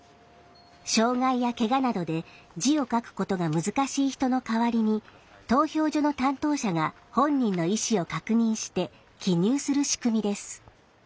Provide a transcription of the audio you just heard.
障害やけがなどで字を書くことが難しい人の代わりに投票所の担当者が本人の意思を確認して記入する仕組みです。